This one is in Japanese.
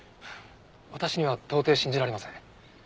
私には到底信じられません。